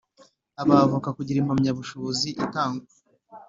Abavoka kugira impamyabushobozi itangwa